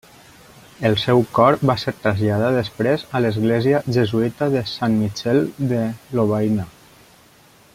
El seu cor va ser traslladat després a l'església jesuïta de Saint-Michel de Lovaina.